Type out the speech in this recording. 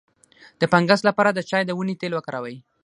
د فنګس لپاره د چای د ونې تېل وکاروئ